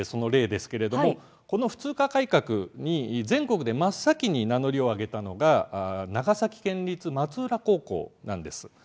この普通科改革に全国で真っ先に名乗りを上げたのが長崎県立松浦高校です。